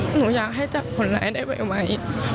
หนูอยากให้จับคนร้ายได้ไว